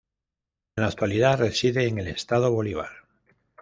En la actualidad reside en el Estado Bolívar.